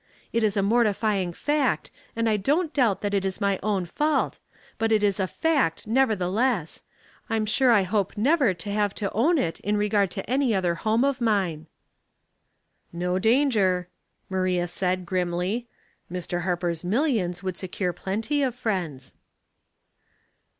It is a mortifying fact, and I don't doubt that it is my own fault ; but it is a fact never theless. I'm sure I hope never to have to own it in regard to any other home of mine." "No danger," Maria said, grimly, "Mr. Har per's millions would secure plenty of friends."